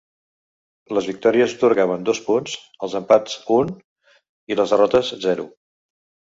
Les victòries atorgaven dos punts, els empats un i les derrotes zero.